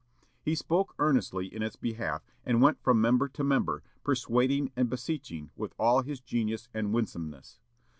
He spoke earnestly in its behalf, and went from member to member, persuading and beseeching with all his genius and winsomeness.